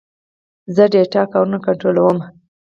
زه د ډیټا کارونه کنټرولوم.